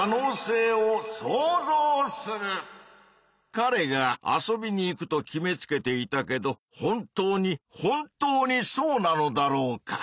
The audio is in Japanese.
かれが遊びに行くと決めつけていたけど本当に本当にそうなのだろうか？